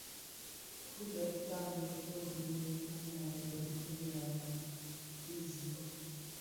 Dhi bëtan beton bi mum a veg i læham bë zi.